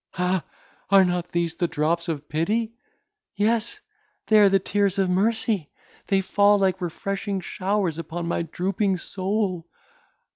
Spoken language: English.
Hah! are not these the drops of pity? Yes, they are the tears of mercy. They fall like refreshing showers upon my drooping soul!